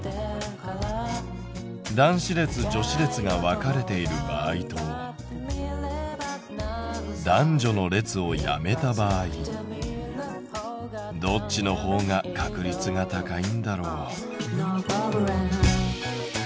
男子列・女子列が分かれている場合と男女の列をやめた場合どっちの方が確率が高いんだろう？